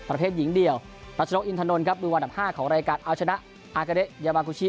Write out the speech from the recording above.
รัชนกอินทานนท์ครับมือวันดับ๕ของรายการอาชนะอากาเดะยาวาคุชิ